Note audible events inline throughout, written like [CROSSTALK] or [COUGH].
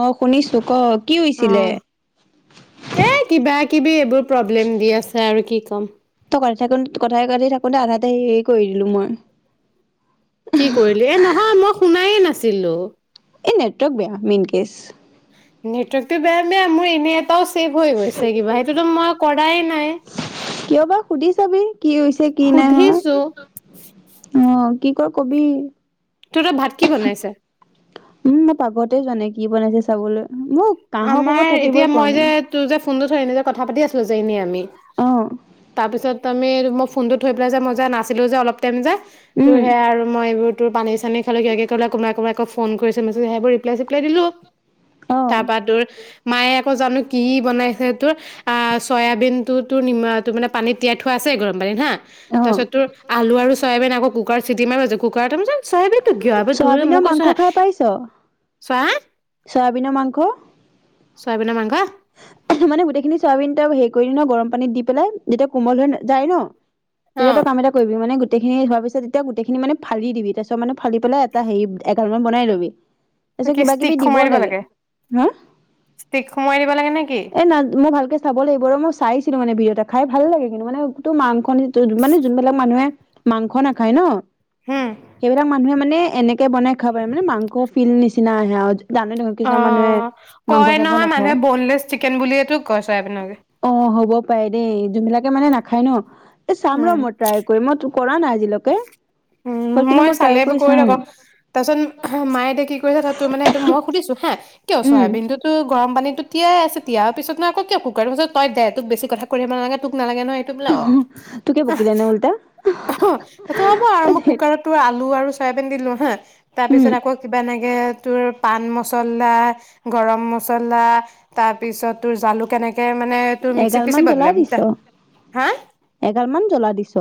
অ' শুনিছো ক'ক অ', এ কিবা কিবি এইবোৰ প্ৰ'ব্লেম দি আছে আৰু কি ক'ম [UNINTELLIGIBLE] কথা [UNINTELLIGIBLE] থাকোতে আধাতে হেৰি কৰি দিলো মই কি কৰিলি এ নহয় মই শুনায়ে নাছিলো ছিলো। এই নেটৱৰ্ক বেয়া মেইন কেচ। নেটৱৰ্কটো বেয়া বেয়া মোৰ এনেই কৰাই নাই। কিয় বা সুধি চাবি কি হৈছে কি নাই হোৱা। সুধিছো, অ', কি কয় ক'বি। তোৰ এই ভাত কি বনাইছে? উম, মই পাকঘতে যোৱা নাই কি বনাইছে চাবলৈ মোক কাঁহৰ কোবত আমাৰ থাকিবই এতিয়া পোৱা মই যে নাই তোৰ যে থৈ কথা পাতি আছিলো যে এনে আমি, অ তাৰপিছত [UNINTELLIGIBLE] ফোনটো থৈ পেলাই যে মই যে নাছিলোঁ যে অলপ [UNINTELLIGIBLE] উম তোৰ হেয়াই আৰু মই এইবোৰ তোৰ পানী-চানী খালে কিবা টিভি কোমাই কোমাই ফোন কৰিছে মেছেজ সেইবোৰ ৰিপলাই-চিপ্লাই দিলোঁ অ তাৰ পা তোৰ মায়ে আকৌ জানো কি বনাইছে তোৰ আ চয়াবিন তটো মানে পানীত তিয়াই থোৱা আছে গৰম পানীত হা, অ তাৰপিছত তোৰ আলু আৰু চয়াবিন আকৌ কুকাৰত চিটি মাৰিব দিছে চয়াবিনৰ মাংস খাই পাইছ? চয়া চয়াবিনৰ মাংস চয়াবিনৰ মাংস মানে গোটেইখিনি চোৱাবিন ত হেৰি কৰি দি ন গৰম পানীত দি পেলাই যেতিয়া কোমল হৈ যায় ন তেতিয়া তই অ কাম এটা কৰিবি মানে গটেইখিনি হোৱাৰ পিছত ততিয়া গোতেই খিনি মানে ফালি দিবি তাৰপিছত মানে ফালি পেলাই এটা হেৰি [UNINTELLIGIBLE] বনাই লবি। তাৰপিছত কি কিবা ষ্টিক কিবি সোমাই দিব লাগে? ষ্টিক সোমাই দিব লাগে নে? এ না, মই ভালকে চাব লাগিব ৰ', মই চাইছিলো মানে ভিডিঅ' এটা। খাই ভাল লাগে কিন্তু মানে তো মাংস মানে যোনবিলাক মানুহে মাংস নাখায় ন? হুম সেইবিলাক মানুহে মানে এনেকে বনাই খাব পাৰে। মানে মাংস ফিল নিচিনা আহে আও অ' কয় নহয় নাখায় মানুহে ব'নলেছ চিকেন বুলিয়েতো কয় অ হ'ব পাৰে দেই যোনবিলাকে মানে নাখায় ন' এ চাম ৰ উম মই ট্ৰাই কৰি মইতো কৰা নাই আজিলৈকে বাট উম কিন্তু মই ট্ৰাই চালে এইবোৰ কৰি চাম থকো, তাপিছত মায়ে এতিয়া কি কৰিছে তোৰ মানে সেইটো মই সুধিছো হয় কিয় উম, চয়াবিনতোটো গৰম পানী তিয়াই আছে তিয়াৰ পিছত ন আকৌ কুকাৰৰ পিছত তই দে তোক বেছি কথা কয় থাকিব নালাগে তোক নালাগে নহয় এইটো বোলে অ তোকে বকিলে নে উল্টা এইটো হ'ব আৰু মই কুকাৰতো আলু আৰু চয়াবিন দিলো হা তাৰ উম, পিছত আকৌ কিবা নাই তাকে তোৰ পান মছলা গৰম মছলা তাৰপিছত তোৰ জালুক এনেকে মানে তোৰ মিক্সিত এগাল পিচি মান জলা বদলাম দিছ হা এগাল মান জলা দিছ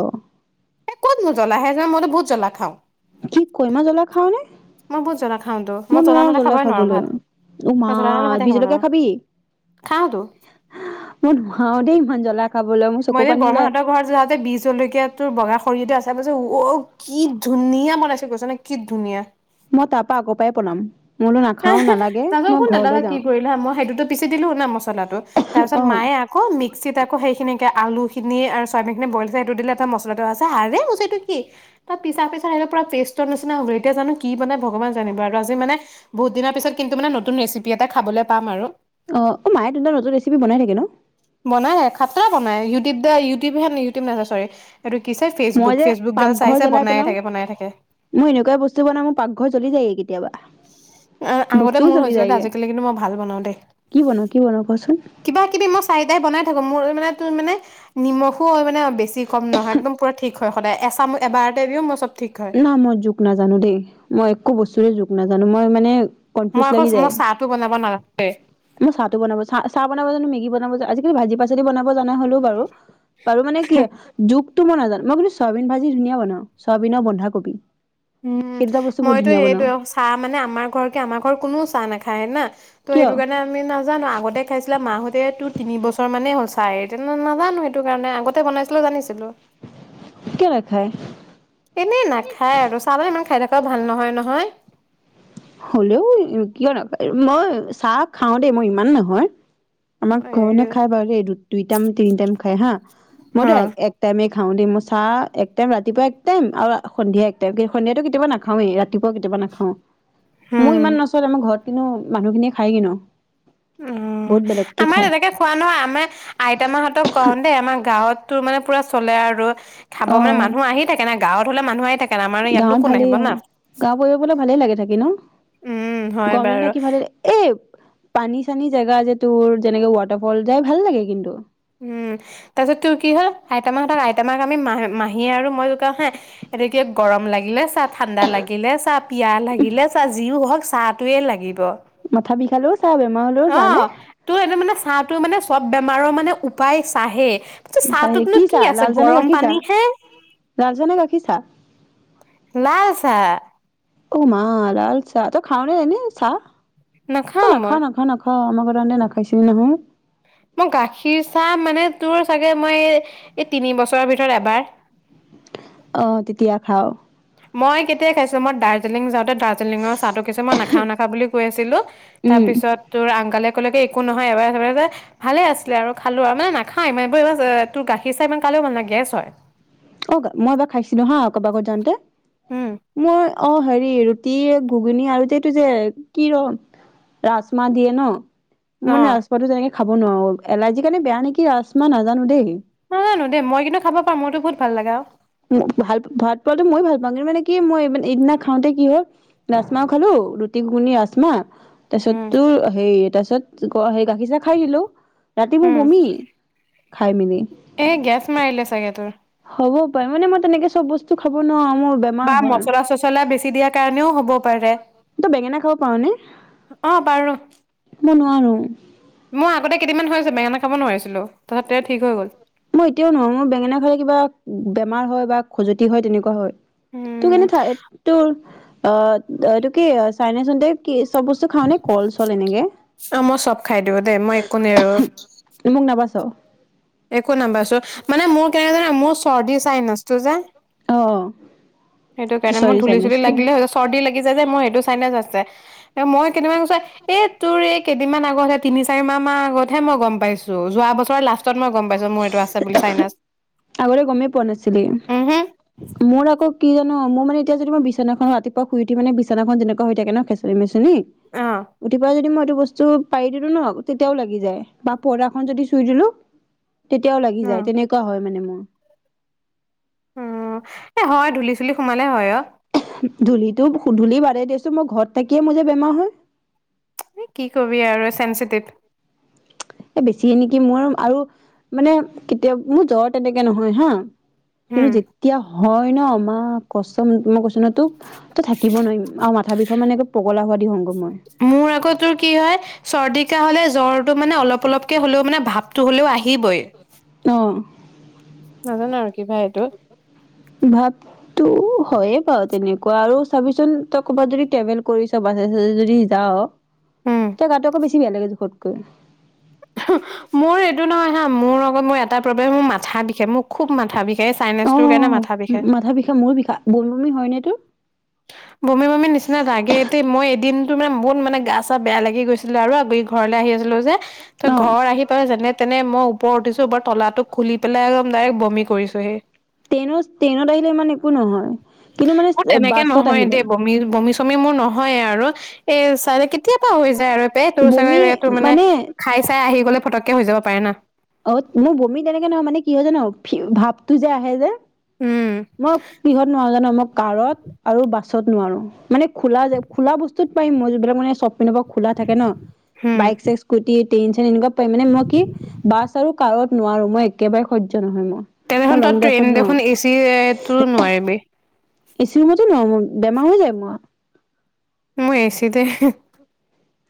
এই ক'ত নোজ্বলা সেজন মইো বহুত জ্বলা খা কি কয় ইমান জ্বলা খাও নে মই বহুত জ্বলা খাওঁতো মই নোৱাৰাও নহ'লে জ্বলা খাবই নোৱাৰো খাবলৈ ভাত উমা মই জ্বলা নহ'লে ভাতে বি খাব নোৱাৰো জলকীয়া খাবি খাওঁতো। মই নুৱাও দেই ইমান জ্বলা খাবলৈ মোৰ চকু মই এ পানী ওলাই। বৰমাহতৰ ঘৰত যাওঁতে বি জলকীয়া তোৰ বগা সৰিয়তে আছে তাৰ পিছ অ কি ধুনীয়া বনাইছে গৈছ নে কি ধুনীয়া মই তাৰ পৰা আগৰ পৰাই পলাম মই বোলো নাখাও নালাগে তা মই শন ন ঘৰলৈ তাকা কি যাওঁ। কৰিলা মই সেইটোতো পিছি দিলো নে মছলা মছলাটো তাৰপিছত অ', মায়ে আকৌ মিক্সিত আকৌ সেইখিনি আলু খিনি আৰু চয়াবিন খিনি বইল কৰি সেইটো দিলে এটা মছলাটো আছে আৰে মই কৈছোঁ এইটো কি তাৰ পিছা পিছা সেইটো পুৰা পেষ্টৰ নিচিনা হ'ল এতিয়া জানো কি বনাই ভগৱান জানিবা আৰু আজি মানে বহুত দিনৰ পিছত কিন্তু মানে নতুন ৰেচিপি এটা খাবলৈ পাম আৰু অ অ মায়ে তোমাৰ নতুন ৰেচিপি বনাই থাকে ন বনাইে খাটা বনাই ইউটিউব দা ইউটিউব হে নে ইউটিউব ন চৰি এইটো কি চাই ফেচবুক মই যে ফেচবুক গাল চাই পাকঘৰ চাই জ্বলাই বনায়ে পেলাও থাকে বনাই থাকে মই এনেকুৱাই বস্তু বনাওঁ মোৰ পাকঘৰ জ্বলি যায়গে কেতিয়াবা আগতে বস্তুও মোৰ জ্বলি হৈছিলে দে যায়গে আজিকালি কিন্তু মই ভাল বনাও দেই কি বনওঁ কি বনওঁ কচোন কিবা কিবি মই চাৰিটাই মোৰ মানে তোৰ মানে নিমখ হয় মানে বেছি কম নহয় একদম পৰা ঠিক হয় সদায় এচাম এবাৰতে মই চব ঠিক হয় উম ন মই জোখ নাজানো দেই মই একো বস্তুৰে জোখ নাজানো জানো মই মানে মই কনফিউজ আকৌ লাগি মই যায় চাহটো বনাব নাজানো দেই মই চাহটো বনাব চাহ চাহ বনাব জানো মেগী বনাবো আজি কিন্তু ভাজি পাচলি বনাব জনা হ'লোও বাৰু আৰু মানে কি যু তই নাজান মই বোলোঁ চয়াবিন ভাজি ধুনীয়া বনাওঁ চয়াবিনে বনা হয় কবি উম মইতো সেইটো চাহ মানে আমাৰ ঘৰকে আমাৰ ঘৰ কোননেও চাহ নাখায় না ত' কিয় সেইটো কাৰণে আমি নাজানো আগতে খাইছিলে মাহ এ তোৰ তিন বছৰ মানেই হ'ল চাই তেনে নাজানো সেইটো কাৰণে আগতে বনাইছিলো জানিছিলো। কিয় নাখায়? এনেই নাখায় আৰু চাউল ইমান খাই থকাও ভাল নহয় নহয়। হ'লেও কিয় [UNINTELLIGIBLE] মই চাহ খাওঁ দেই মই ইমান নহয়। আমাৰ ঘৰ নে খাই বাৰু দেই দুই টাইম, তিনি টাইম খাই হা হ মই দে এক টাইমে খাওঁ দে মই চা এক টাইম ৰাতিপুৱা এক টাইম আৰু সন্ধিয়া এক টাইম কিন্তু সন্ধিয়াতো কেতিয়াবা নাখাওেই ৰাতিপুৱা কেতিাবা নাখাওঁ। মোৰ ইমান নচলে আমাৰ ঘৰত কিন্তু মানুহ খিনিয়ে খাই কিনো উম, আমাৰ তেনেকে খোৱা নহয় আমাৰ আইতামাহতক কওঁ দেই আমাৰ গাঁৱত তো মানে পুৰা চলে আৰু। খাব অ মানে মানুহ আহি থাকে না। গাঁৱত হ'লে মানুহ আহি থাক গাঁৱত ভালেই অ', গাওঁ [UNINTELLIGIBLE] ভালেই লাগে থাকি ন' উম হয় গৰম দিনত বাৰু থাকি ভালেই এ পানী চানী জেগা যে তোৰ যেনেকে ৱাটাৰফল যাই ভাল লাগে কিন্তু। উম, তাৰ পিছত তোৰ কি হয় আইতা মাহঁতক আই তমাক আমি মাহ মাহী আৰু মই জোকাৱ হা এতিয়া কি গৰম লাগিলে চাহ ঠাণ্ডা লাগিলে চাহ পিয়াহ লাগিলে চাহ যিওঁ হওঁক চাহটোৱেই লাগিব। মাথা বিষালেও চা বেমাৰ হ'লেও চায়নে? হাঁহটো মানে সব বেমাৰৰ মানে উপায় চাহে। চাহে, চাহটোতনো কি চাহ? আছে লাল চাহ নে গৰম গাখীৰ পানী চাহ? হে লাল চাহ নে গাখীৰ চাহ? লাল চাহ। অহ মা! লাল চাহ? তই খাৱনে এনে চাহ? নাখাওঁ মই। অহ, আমাৰ ঘৰত আহোঁতে নাখাইছিলি নহয়। মই গাখীৰ চাহ মানে তোৰ চাগে মই এই তিনি বছৰৰ ভিতৰত এবাৰ অহ, তেতিয়া খাৱ? মই কেতিয়া খাইছিলোঁ? মই দাৰ্জিলিং যাওঁতে দাৰ্জিলিঙৰ চাহটো কিছু মই নাখাওঁ নাখাওঁ বুলি কৈ আছিলোঁ, তাৰ উম পিছত তোৰ অংকলে ক'লোকি একো নহয় এবাৰ ছেবাৰ যে ভালে আছিলে আৰু খালোঁ আৰু, মানে নাখায় [UNINTELLIGIBLE] তোৰ গাখীৰ চাই ইমান খালেও ইমান ভাল নহয়, গেছ হয়। অহ, মই এবাৰ খাইছিলোঁ হা ক'বাকত যাওঁতে। উম, মই অহ, হেৰি ৰুটিয়ে ঘুগুনী আৰু যে এইটো যে কি ৰম ৰাজমাহ দিয়ে ন? মই অ', নাচপতিও তেনেকে খাব নোৱাৰোঁ, এলাৰ্জি সেইকাৰণে বেয়া নেকি ৰাজমা নাজানোঁ দেই। নাজানোঁ দে, মই কিন্তু খাব পাৰ। মোৰটো বহুত ভাল লাগে আৰু। [UNINTELLIGIBLE] ভাল ভাত পোৱটো মই ভাল পাওঁ কিন্তু মানে কি মই এইদিনা খাওঁতে কি হ'ল ৰাজমাও খালোঁ, ৰুটি গুগুনি ৰাজমা তাছত উম, তোৰ হেই তাছত কোৱা গাখীৰ চা খাই দিলো ৰাতি মোৰ উম, বমি খাই মেলি এই গেছ মাৰিলে চাগে তোৰ হ'ব পাৰ মানে মই তেনেকে চব বস্তু খাবোৱাৰ বা মচলা চছলা বেছি দিয়াৰ কাৰণেও হব পাৰে তই বেঙেনা খাব পাৰ নে অ বাৰু ফাৰ মোৰ আগতে কেইদিনান হৈ আ হৈছে বেঙেনা খাব নোৱাৰিছিলো তথাপিতে ঠিক হৈ গ'ল মই এতিয়াও নহো মোৰ বেঙেনা খালে কিবা বেমাৰ হয় বা খজুৱতি হয় তেনেকুৱা হয় তোৰ উম, কেনে থাক তোৰ অ এই তটো কি চাইনেচোন দে কি চব বস্তু খাও নে কল চল এনেকে অ', মই চব খাই দিওঁ দেই মই একো নেৰো মোক নাবাচ একো নাম্বাৰ চ মানে মোৰ কেনেকে ধৰ মোৰ চৰ্দি চাই নচটো যে আহ সেইটো কাৰণে মোৰ ধূলি চুলি লাগিলে চৰ্দি লাগি য যে মই সেইটো চ আছে এ মই কেনেবা গছাই এ তোৰ এই কেইদিনমান আগত হে তিনি চাৰি মাহ মান আগতহে মই গম পাইছো যোৱা বছৰ লাষ্ট ত মই গম পাইছো মোৰ এইটো আছে বুলি চাইনাছ আগতে গমেই পোৱা নাছিলি মোৰ আকৌ কি জান মোৰানে এতিয়া যদিই বিনাখন ৰাপুৱ শই উঠি মে বিনাখন যেনেুৱা থাক ন খেচ মে অ উঠি পা যদি মই বস্তু পাৰি দিলো ন তেতিয়াও লাগি যায় বা পৰ্দাখনন যদি চুই দিলো তেতিয়াও লাগি অ যায় তেনেকুৱা হয় মানে উম উ এ হয় ধূুলিি চুলি সোমালে হয় অ ধূলিতটোু ধূলি বাদে দিছো মই ঘৰত থাকিয়ে মোৰ যে বেমাৰ হয় কি কবি আৰু চেনিটিভ এ বেছিে নেকি মোৰ আৰু মানে কেতিয়াাবা মোৰ জ্বৰ তেনেকে নহয় হা কিন্তু উম যেতিয়া হয় ন মা কচ তমই কৈছ ন তো তো থাকিব নোৱাৰিম আৰু মাথা বিষু মানেগাোৱাদদি সংগম হয় মোৰ আগতো কি হয় চৰ্দিিকা হলে জ্বৰ মানে অলপ অলপকে হ'লেও মানে ভাৱতটো হলেও আহিবই আহ নাজানো আৰু ক ভা এইটো ভাবতো হয়ে বাৰু তেনে কোৱা আৰু ছাবিশন ক'ৰবাত যদি ট্ৰেভেল কৰিছ বাছে চাছে যদি যাওঁ। উম এতিয়া গাতে আকৌ বেছি বেয়া লাগে জোখত [INAUDIBLE] হহ ', মোৰ এইটো নহয় হা, মোৰ লগত মোৰ এটা প্ৰব্লেম মোৰ মাথা বি অ', মাথা বিষে মাথা বিষা মোৰো বিষা বনভমি হয় নে তোৰ? বমি -বমি নিচিনা লাগে মই এদিনতটো মানে বহুত মানে গা ছা বেয়া লাগি গৈছিলে আৰু ঘূৰি ঘৰলে আহি আছিলো যে তই অ', ঘৰ আহি পেল যেনে তেনে মই ওপৰত উঠিছো ওপৰত তলাটো খুলি পেলাই একদম ডাইৰেক্ট বমি কৰিছোহি ট্ৰেইনত ট্ৰেইনত আহিলে ইমান একো নহয়। কিন্তু মানে ম তেনে। বাছত নহয় আহিলে দেই বমি, বমি, চমি মোৰ নহয় আৰু এ চাৰেকিত কেতিয়াবা হৈ যায় আৰু তোৰ চাগে জ তোৰ মানে খাই চাই আহি হ'লে ফটককে হৈ যাব পাৰে না। অহ ', মই বমি তেনেকে নহয় মানে কি হয় জানো ভাৱটো যে আহে যে। উম মই বিহত নহয় জানো মোক কাৰত আৰু বাছত নোৱাৰো মানে খোলা যে খোলা বস্তুত পাৰিম মই যিবিলাক মানে চ আপোনোকৰ খোলা থাকে ন হম বাইক চাইক স্কুটিত। পেনঞ্চন এনক প মানে ম কি বাছ আৰু কাৰত নোৱাৰো মই একেবাৰে সয্য নহয় মই। মই তেনেখনন লং তই ট্ৰেইন ড্ৰাইভত নোৱাৰো দেখোন এচিয়ে তো নোৱাৰিবি। এচিৰ ৰুমত ন' বেমাৰ হৈ যায় মোৰ। মই এছি দে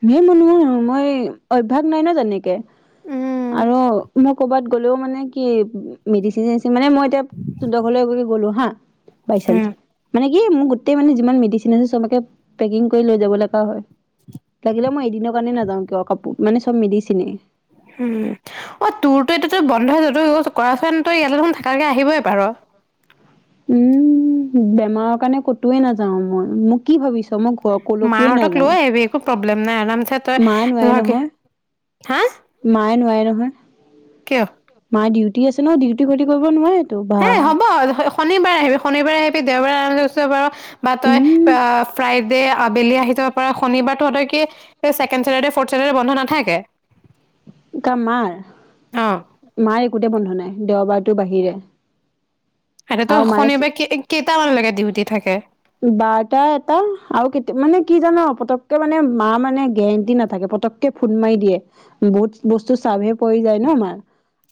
নে মনোহ মই অভ্যয়াস নাই ন' তেনেকে। উম, আৰু মই কৰ'বাত গ'লেও মানে কি মেডিচিন মানে মই এতিয়া তু দ ঘৰলৈ গ'লো। হহ ', বাইচানস উম, মানে কি? এ মোৰ গোটেই মানে যিমান মেডিচিন আছে চবকে পেকিং কৰি লৈ যাব লগা হয়। লাগিলে মই এদিন নে নাজাওঁ কিয় কাপোৰ মানে চব মেডিছেনে। উম, অ', তোৰ তো এতিাতো বন্ধ হৈ য ত কৰাচোন তই ইয়ালৈ থাকাকে আহিবই পাৰ। উম', বেমাৰৰ কাৰণে কতোৱে নাযাও মই মোক কি ভাবিছ মই ঘৰ কলৈকোৱে মাহঁতক নাযাও লৈ আহিবি একো প্ৰব্লেম নাই আৰামছে মায়ে নোৱাৰে নহয় তই নহ কিয়? মায় ডিউটি আছে ডিউটি খতি কৰিব নোৱাৰে তটো বা হে হ'ব শনিবাৰে আহিবি শনিবাৰে আহিবি দেওবাৰে আৰম্ কৰিছো বাৰু বা তই উম ফ্ৰাইডে আবেলি আহি যাব পাৰ শনিবাৰ তহঁ তই কি সেই চেকেন চেটাৰদে ৰ্ফড চেটাৰদে বন্ধ নাথাকে ক মাৰ অ', মায় একোতে বন্ধু নাই দেওবাৰতো বাহিৰে তাতে তো আৰু মায়ে শনিবাৰে কেইটামানলৈকে দিউতি থাকে বাৰ্তটা এটা আৰু কেতিয়া মানে কি জান পতককে মানে মা মানে গেৰেণ্টি নাথাকে পতককে ফুট মাৰি দিয়ে বহুত বস্তু চভে পৰি যায় ন মাৰ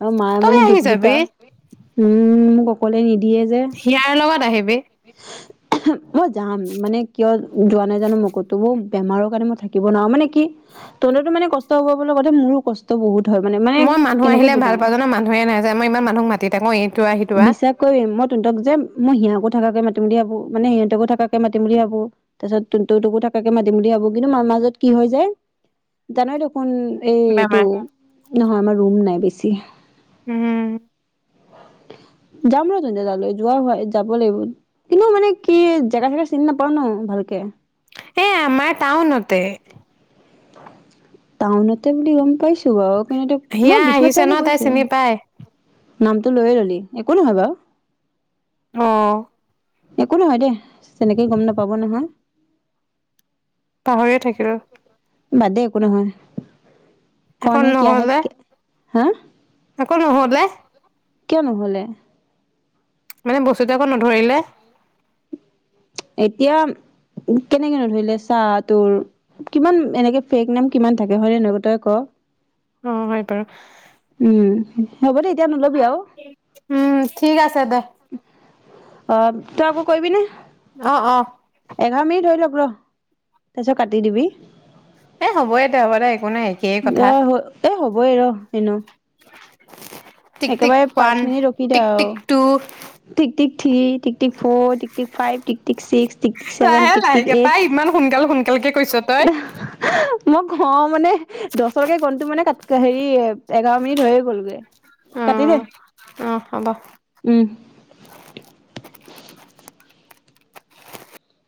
আৰু মায়ে তই মানে দু আহি যাবি দুটা উম সকলোৱে নিদিয়ে যে হিয়াৰ লগত আহিব ৱ উ মই যাম মানে কিয় যোৱা নাই জানো মোকতো বেমাৰৰ কাৰণে মই থাকিব নোৱাৰো মানে কি তহতো মানে কষ্ট হব কথা মোৰো কষ্ট বহুত হয় মানে মানে মই মানুহ কেনেকৈ আহিলে ভাল বুজাম পাওঁ জানো মানুহে না যায় মই ইমান মানুহক মাতি থাকো এইটো হিটে আহ বিশ্বাস কৰিম মই তহঁতক যে মই সিহঁতকো মাতিম বুলি ভাবো মানে সিহঁতকো থাকে মাতিম বুলি ভাবো তাৰ পিছত তু ততোকো থাকে মাতিম বুলি ভাবো কিন্তু মাৰ মাজত কি হয় যায় জান এই এইটো বেমাৰ নহয় আমাৰ ৰুম নাই বেছি জি হম যাম ৰ তে তালৈ যোৱা হয় যাব লাগিব কিন্তু মানে কি জেগা চেগা চিনি নাপাও ন ভালকে এ আমাৰ টাউনতে টাউনতে বুলি গম পাইছো বাৰু কিন্তু মই সিয়া বিশ্বনাথ আহিছে ন চাৰিআলি তাই গৈছো চিনি পাই নামটো লৈয়ে ৰ'লি একো নহয় বাৰু অ একো নহয় দেই তেনেকেই গম নাপাব নহয় পাহৰিয়ে থাকিলো বাদেই একো নহয় কন আকৌ হে কিয় হে নহলে হা [UNINTELLIGIBLE] কিয়নোহোলে মানে বস্তুতে আকৌ নধৰিলে এতিয়া কেনেকে নধৰিলে চাহ তোৰ কিমান এনেকে ফেক নাম কিমান থাকে হয় এনেকুৱ তই ক অ হয় পাৰ উম হ'ব দ উম ঠিক আছে দে অ তই আক কৰিবি নে অ অ এঘাৰ মিনট ধৰি লওক তাৰিছত কাটি দিবি এ হ'বই দে হ'ব দে একো নাই একেই কথা অ এ হ'বই ৰ এনো টিক টিক একেবাৰে ওৱান পাঁচ মিনিট ৰখি দে টিক আৰু টিক টু ঠিক ঠিক three tick tick four tick tick five tick tick six tick tick seven লাহে টিক টিক লাহেকে পাই ইমান সোনকাল সোনকালকে কৈছ তই এইট মই হওঁ মানে দহৰকে গনটো মানে ক হেৰি এঘাৰ মিনিট হৈয়ে গ'লগৈ অ কাতি দে অ হ'ব উম